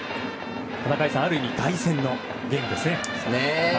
中居さん、ある意味凱旋のゲームですね。